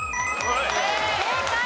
正解。